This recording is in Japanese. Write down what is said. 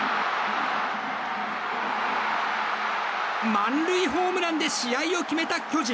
満塁ホームランで試合を決めた巨人。